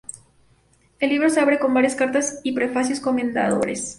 El libro se abre con varias cartas y prefacios comendadores.